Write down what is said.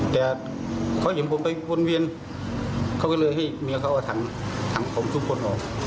แต่เขาเห็นผมไปวนเวียนเขาก็เลยให้เมียเขาเอาถังผมทุกคนออก